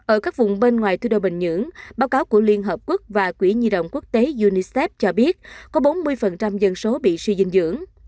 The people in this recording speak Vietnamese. ở các vùng bên ngoài thu đô bình nhưỡng báo cáo của liên hợp quốc và quỹ nhi động quốc tế unicef cho biết có bốn mươi dân số bị suy dinh dưỡng